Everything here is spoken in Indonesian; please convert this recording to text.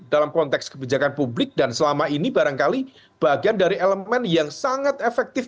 dalam konteks kebijakan publik dan selama ini barangkali bagian dari elemen yang sangat efektif